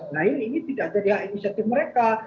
lain ini tidak jadi hak inisiatif mereka